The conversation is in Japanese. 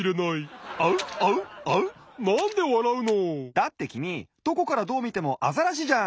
だってきみどこからどうみてもアザラシじゃん。